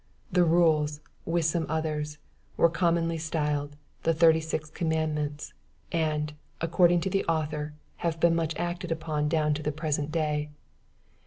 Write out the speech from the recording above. The rules, with some others, were commonly styled "the thirty six commandments," and, according to the author, have been much acted upon down to the present day.